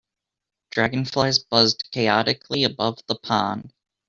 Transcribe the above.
Dragonflies buzzed chaotically above the pond.